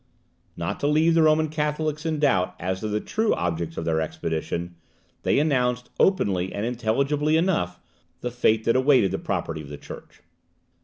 Not to leave the Roman Catholics in doubt as to the true objects of their expedition, they announced, openly and intelligibly enough, the fate that awaited the property of the church.